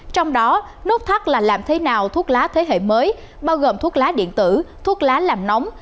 trong đó nút thắt là làm thế nào thuốc lá thế hệ mới bao gồm thuốc lá điện tử thuốc lá làm nóng